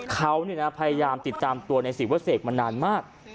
เขาเนี่ยนะพยายามติดตามตัวนายศรีวะเสกมานานมาก